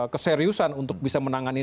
keseriusan untuk bisa menangani